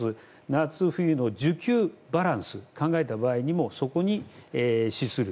夏、冬の需給バランスを考えた場合にもそこに資する。